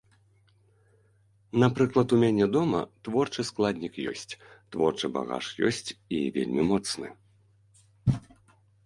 Напрыклад у мяне дома творчы складнік ёсць, творчы багаж ёсць і вельмі моцны.